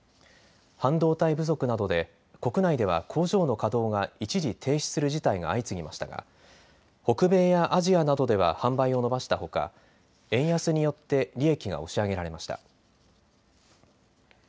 半導体不足などで国内では工場の稼働が一時停止する事態が相次ぎましたが北米やアジアなどでは販売を伸ばしたほか円安によって利益が押し上げられました。